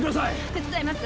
手伝います